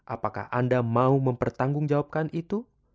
apakah anda mau mempertanggungjawabkan itu